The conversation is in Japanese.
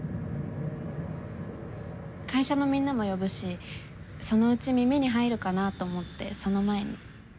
会社のみんなも呼ぶしそのうち耳に入るかなと思ってその前に。